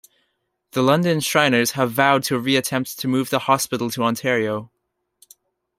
The London Shriners have vowed to re-attempt to move the hospital to Ontario.